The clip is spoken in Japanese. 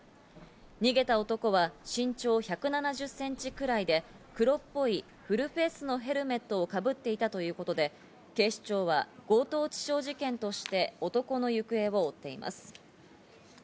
逃げた男は身長１７０センチくらいで黒っぽいフルフェースのヘルメットをかぶっていたということで警視庁は強盗致傷事件として男の行方を追っています。